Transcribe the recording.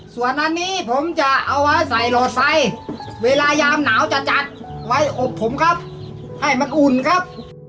ส่วนอันนี้ผมจะเอาไว้ใส่หลอดไซค์เวลายามหนาวจะจัดไว้อบผมครับให้มันอุ่นครับ